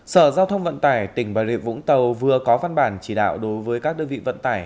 sở giao thông vận tải tỉnh bà rịa vũng tàu vừa có văn bản chỉ đạo đối với các đơn vị vận tải